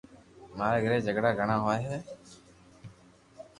ماري گھري جھگڙا گڻا ھوئي ھي